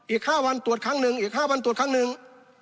อีก๕วันตรวจครั้งหนึ่งอีก๕วันตรวจครั้งหนึ่ง